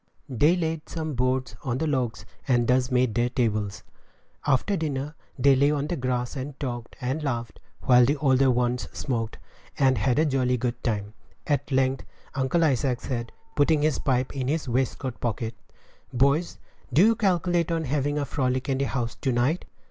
They laid some boards on logs, and thus made their tables. After dinner, they lay on the grass and talked and laughed, while the older ones smoked, and had a jolly good time. At length Uncle Isaac said, putting his pipe in his waistcoat pocket, "Boys, do you calculate on having a frolic in the house to night?"